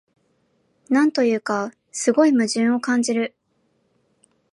なんというか、すごい矛盾を感じる